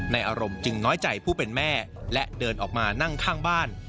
อารมณ์จึงน้อยใจผู้เป็นแม่และเดินออกมานั่งข้างบ้าน